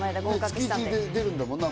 月いちで出るんだもんな。